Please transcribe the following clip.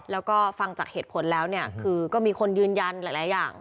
แล้วก็ฟังจากเหตุผลแล้วเนี่ยคือก็มีคนยืนยันหลายอย่าง